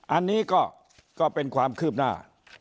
อันนี้ก็เป็นความคืบหน้า